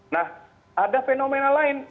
nah ada fenomena lain